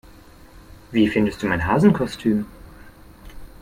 Wie findest du mein Hasenkostüm?